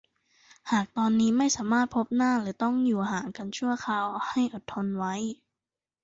หากตอนนี้ไม่สามารถพบหน้าหรือต้องอยู่ห่างกันชั่วคราวให้อดทนไว้